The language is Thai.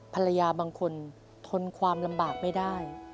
บางคนทนความลำบากไม่ได้